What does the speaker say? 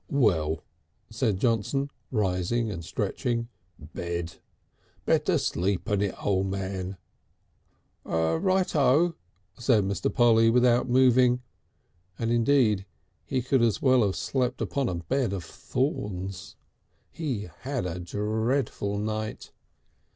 "Well," said Johnson, rising and stretching. "Bed! Better sleep on it, O' Man." "Right O," said Mr. Polly without moving, but indeed he could as well have slept upon a bed of thorns. He had a dreadful night.